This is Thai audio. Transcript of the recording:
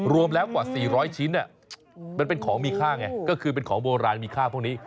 รวมแล้วกว่า๔๐๐ชิ้นมันเป็นของมีค่าไงก็คือเป็นของโบราณมีค่าพวกนี้